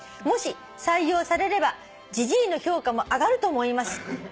「もし採用されればじじいの評価も上がると思います」